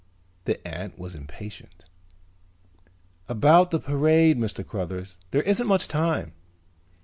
The ant was impatient. "About the parade, Mr. Cruthers, there isn't much time."